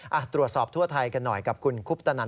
ตรวจสอบทั่วไทยกันหน่อยกับคุณคุปตนัน